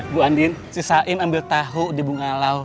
bu andien si saim ambil tahu di bungalau